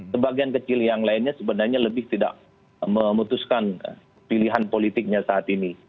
sebagian kecil yang lainnya sebenarnya lebih tidak memutuskan pilihan politiknya saat ini